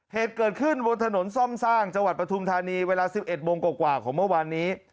เหตุเกิดขึ้นบนถนนซ่อมสร้างจังหวัดปฐุมธานีเวลา๑๑โมงกว่าของเมื่อวานนี้